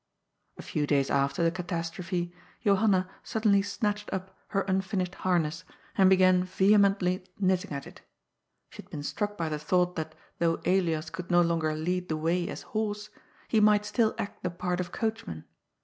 A few days after the catastrophe, Johanna suddenly snatched up her unfinished harness, and began vehemently "THUNDKB^ STORMa 47 knitting at it. She had been struck by the thought that thongh Elias could no longer lead the way as horse, he might still act the part of coachman.